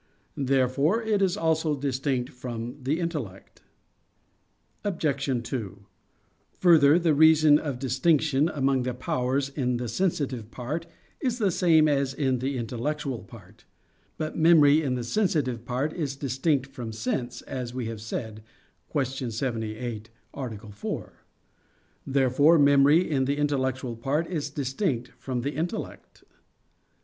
Therefore it is also distinct from the intellect. Obj. 2: Further, the reason of distinction among the powers in the sensitive part is the same as in the intellectual part. But memory in the sensitive part is distinct from sense, as we have said (Q. 78, A. 4). Therefore memory in the intellectual part is distinct from the intellect.